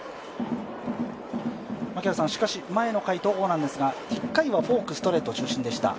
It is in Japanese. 前の回、戸郷ですが、１回はフォークストレートが中心でした。